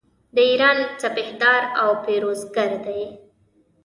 د ایران سپهدار او پیروزګر دی.